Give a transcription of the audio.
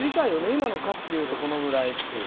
今の価値でいうとどのぐらいって。